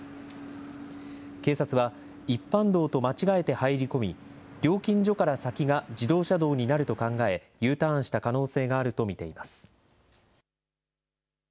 警察は、一般道と間違えて入り込み、料金所から先が自動車道になると考え、Ｕターンした可能性があると見ています。